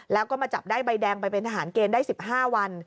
แล้วก็มาจับได้ใบแดงไปเป็นทหารเกณฑ์ได้๑๕วัน